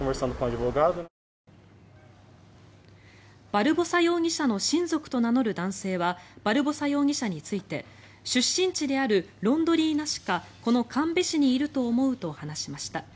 バルボサ容疑者の親族と名乗る男性はバルボサ容疑者について出身地であるロンドリーナ市かこのカンベ市にいると思うと話しました。